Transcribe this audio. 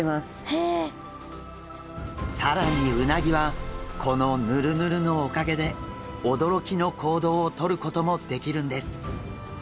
更にうなぎはこのヌルヌルのおかげで驚きの行動をとることもできるんです。